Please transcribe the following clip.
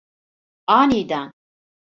Aniden…